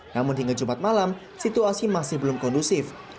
namun hingga jumat malam situasi masih belum kondusif